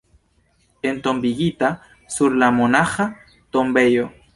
Entombigita sur la monaĥa tombejo.